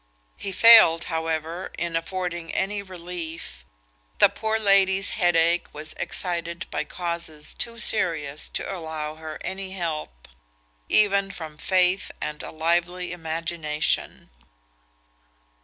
He failed, however, in affording any relief. The poor lady's headache was excited by causes too serious to allow her any help, even from faith and a lively imagination.